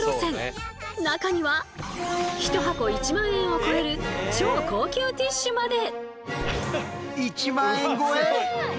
中には１箱１万円を超える超高級ティッシュまで。